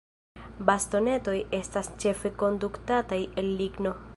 Bastonetoj estas ĉefe produktataj el ligno.